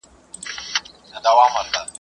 که کتاب لوستل سوی و نو فکر نه تنګ کيږي.